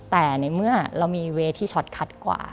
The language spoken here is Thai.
แต่ในเมื่อเรามีเวย์ที่ช็อตคัดกว่า